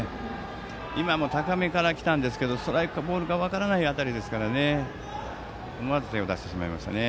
今も高めからきたんですがストライクかボールか分からない当たりですから思わず手を出してしまいましたね。